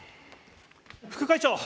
副会長！